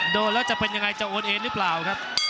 โดนแล้วจะเป็นยังไงจะโอนเอนหรือเปล่าครับ